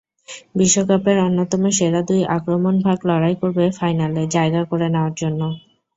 বিশ্বকাপের অন্যতম সেরা দুই আক্রমণভাগ লড়াই করবে ফাইনালে জায়গা করে নেওয়ার জন্য।